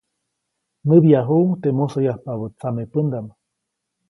Näbyajuʼuŋ teʼ musoyapabä tsamepändaʼm.